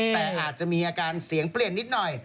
แต่อาจจะมีอาการเสียงเปลี่ยนนิดหน่อย